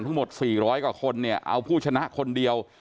ทั้งหมด๔๐๐กว่าคนเนี่ยเอาผู้ชนะคนเดียว